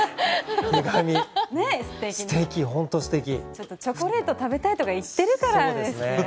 ちょっとチョコレート食べたいとか言ってるからですよ。